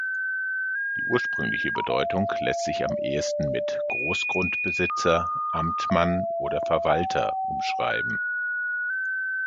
Die ursprüngliche Bedeutung lässt sich am ehesten mit „Großgrundbesitzer“, „Amtmann“ oder „Verwalter“ umschreiben.